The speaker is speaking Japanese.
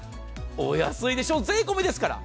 お安いでしょ、税込みですから。